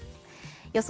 予想